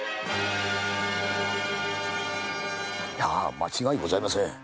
間違いございません。